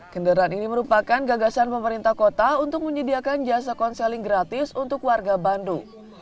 kendaraan ini merupakan gagasan pemerintah kota untuk menyediakan jasa konseling gratis untuk warga bandung